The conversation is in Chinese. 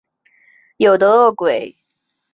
有的饿鬼则可能会保留前世的形象。